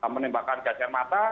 penembakan gajah mata